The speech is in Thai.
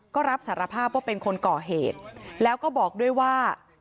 ก็รับสารภาพว่าเป็นคนก่อเหตุแล้วก็บอกด้วยว่า